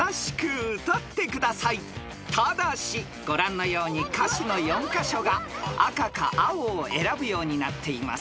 ［ただしご覧のように歌詞の４カ所が赤か青を選ぶようになっています］